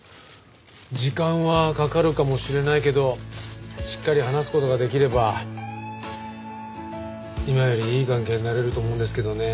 時間はかかるかもしれないけどしっかり話す事ができれば今よりいい関係になれると思うんですけどね。